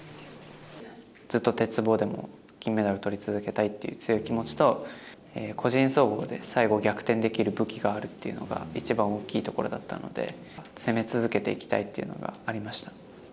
ずっと鉄棒でも金メダルとり続けたいっていう強い気持ちと、個人総合で最後逆転できる武器があるっていうのが一番大きいところだったので、攻め続けていきたいっていうのがありました。